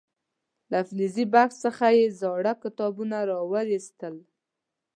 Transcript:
له فلزي بکس څخه یې زاړه کتابونه راو ویستل.